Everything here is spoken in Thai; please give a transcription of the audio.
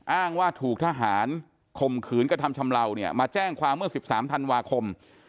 อ้างว่าถูกทหารข่มขืนกระทำชำเลาเนี่ยมาแจ้งความเมื่อ๑๓ธันวาคม